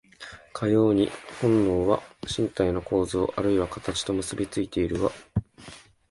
かように本能は身体の構造あるいは形と結び付いているが、